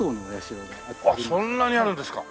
あっそんなにあるんですか！